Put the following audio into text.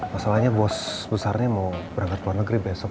masalahnya bos besarnya mau berangkat ke luar negeri besok